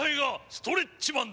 ストレッチマン。